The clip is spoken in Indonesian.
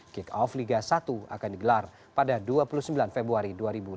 kick off liga satu akan digelar pada dua puluh sembilan februari dua ribu dua puluh